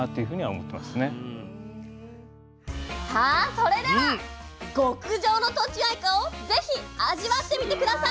それでは極上のとちあいかを是非味わってみて下さい。